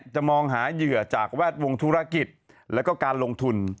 จะมองหาเหยื่อจากแวดวงธุรกิจแล้วก็การลงทุน